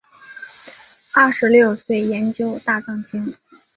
二十六岁研究大藏经。